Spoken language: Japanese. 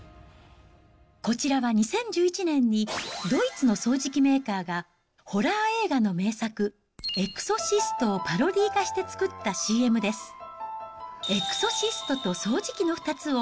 こちらは２０１１年に、ドイツの掃除機メーカーが、ホラー映画の名作、エクソシストをパロディー化して作ったＣＭです。